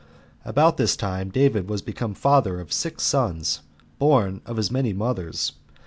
4. About this time David was become the father of six sons, born of as many mothers.